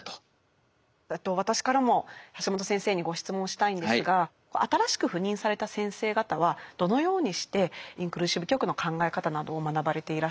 私からも橋本先生にご質問したいんですが新しく赴任された先生方はどのようにしてインクルーシブ教育の考え方などを学ばれていらっしゃるのでしょうか。